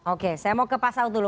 oke saya mau ke pak saud dulu